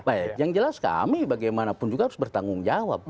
baik yang jelas kami bagaimanapun juga harus bertanggung jawab